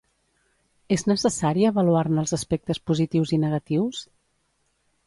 És necessari avaluar-ne els aspectes positius i negatius?